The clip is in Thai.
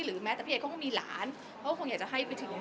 หรือแม้แต่พี่ใหญ่เขาก็มีหลานเพราะว่าคงอยากจะให้ไปถึง